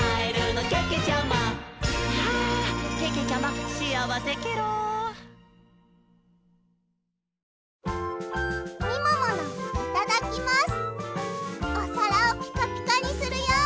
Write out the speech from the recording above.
いただきます！